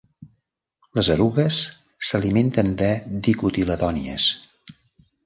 Les erugues s'alimenten de dicotiledònies.